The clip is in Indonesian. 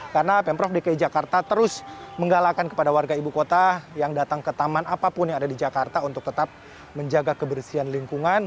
karena pemprov dki jakarta terus menggalakan kepada warga ibu kota yang datang ke taman apapun yang ada di jakarta untuk tetap menjaga kebersihan lingkungan